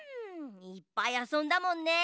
いっぱいあそんだもんね。